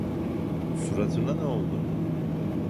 Suratına ne oldu?